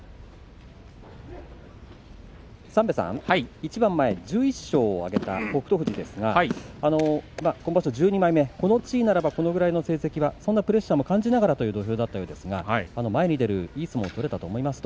一番前、１１勝を挙げた北勝富士ですが今場所１２枚目、この地位ならばこのくらいの成績はプレッシャーを感じながらという相撲でしたがいい相撲取れたということです。